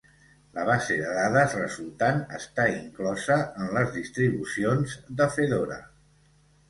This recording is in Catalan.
La base de dades resultant està inclosa en les distribucions de Fedora.